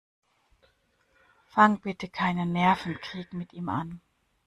Fang bitte keinen Nervenkrieg mit ihm an.